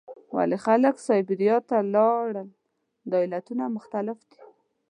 ولې خلک سابیریا ته لاړل؟ دا علتونه مختلف دي.